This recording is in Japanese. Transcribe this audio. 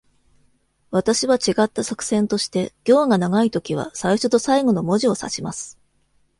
私は違った作戦として、行が長いときは最初と最後の文字を指します。